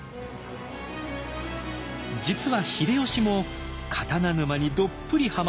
実は秀吉も刀沼にどっぷりはまった一人。